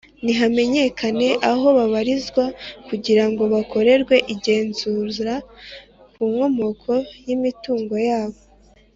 Nti hamenyekane aho babarizwa kugirango bakorerwe igenzura ku nkomoko y imitungo yabo